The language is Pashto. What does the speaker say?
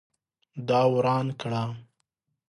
دا وران کړه